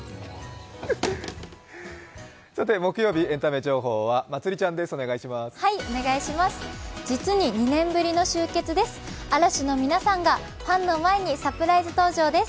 木曜日、エンタメ情報はまつりちゃんです。